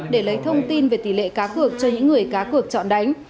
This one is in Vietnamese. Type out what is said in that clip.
để lấy thông tin về tỷ lệ cá cược cho những người cá cược chọn đánh